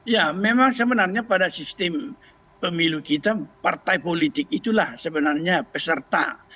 ya memang sebenarnya pada sistem pemilu kita partai politik itulah sebenarnya peserta